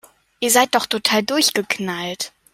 Ihr seid doch total durchgeknallt!